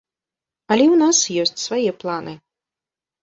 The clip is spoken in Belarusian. Але і ў нас ёсць свае планы.